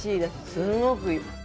すごくいい。